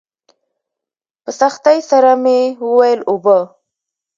په سختۍ سره مې وويل اوبه.